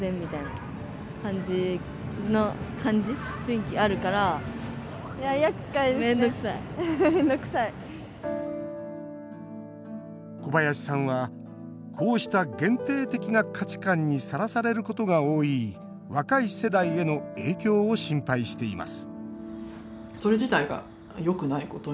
実際に街で聞いてみると小林さんはこうした限定的な価値観にさらされることが多い若い世代への影響を心配しています